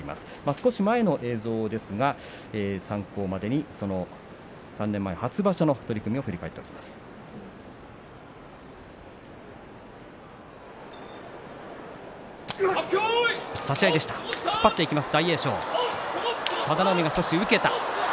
少し前の映像ですが参考までに３年前の初場所の取組を振り返っていきます。